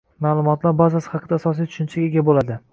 Ma’lumotlar bazasi haqida asosiy tushunchaga ega bo’ladi